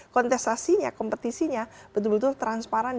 kontestasinya kompetisinya betul betul transparan